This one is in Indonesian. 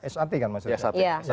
sat kan maksudnya